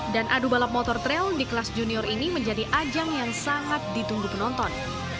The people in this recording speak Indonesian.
dan adu balap motor trail di kelas junior ini menjadi ajang yang sangat ditunggu penonton